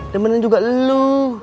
demennya juga lu